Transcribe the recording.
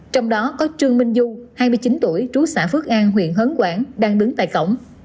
trong đó có trương minh du hai mươi chín tuổi trú xã phước an huyện hớn quảng đang đứng tại cổng